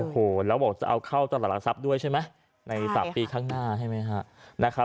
โอ้โหแล้วบอกจะเอาเข้าตลาดหลักทรัพย์ด้วยใช่ไหมใน๓ปีข้างหน้าใช่ไหมฮะนะครับ